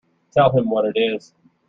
Tell him what it is.